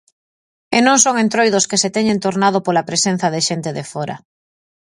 E non son entroidos que se teñen tornado pola presenza de xente de fóra.